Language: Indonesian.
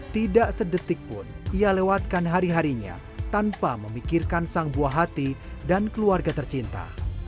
tidak sedetik pun ia lewatkan hari harinya tanpa memikirkan sang buah hati dan keluarga tercinta